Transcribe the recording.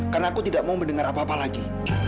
karena aku tidak mau mendengar apa apa lagi